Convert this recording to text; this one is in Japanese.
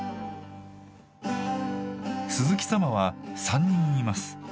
鈴木様は３人います。